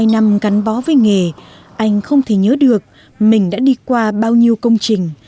hai mươi năm gắn bó với nghề anh không thể nhớ được mình đã đi qua bao nhiêu công trình